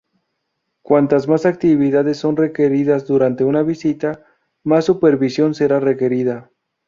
Cuantas más actividades son requeridas durante una visita, más supervisión será requerida.